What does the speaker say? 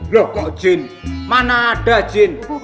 loh kok jin mana ada jin